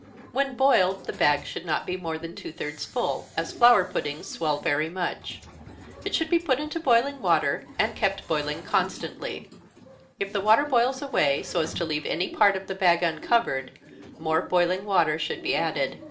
When boiled, the bag should not be more than two thirds full, as flour puddings swell very much. It should be put into boiling water, and kept boiling constantly. If the water boils away, so as to leave any part of the bag uncovered, more boiling water should be added.